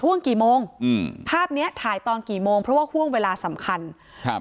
กี่โมงอืมภาพเนี้ยถ่ายตอนกี่โมงเพราะว่าห่วงเวลาสำคัญครับ